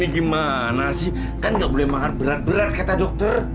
gimana sih kan nggak boleh makan berat berat kata dokter